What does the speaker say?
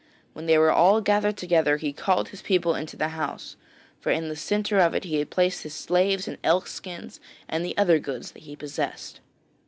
When they were all gathered together he called the people into the house, for in the centre of it he had placed his slaves and elk skins and the other goods that he possessed.